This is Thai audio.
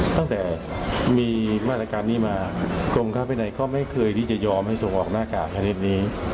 ตั้งแต่มีมาตรการนี้มากรมค้าภายในก็ไม่เคยที่จะยอมให้ส่งออกหน้ากากชนิดนี้